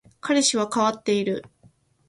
彼氏は変わっている